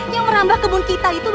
yang merambah kebun kita itu